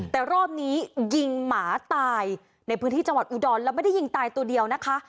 แต่รอบนี้ยิงหมาตายในพื้นที่จังหวัดอุดรแล้วไม่ได้ยิงตายตัวเดียวนะคะ